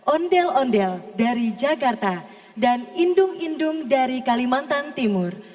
ondel ondel dari jakarta dan indung indung dari kalimantan timur